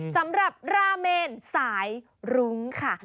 สำหรับราเมนสายรุ้งค่ะ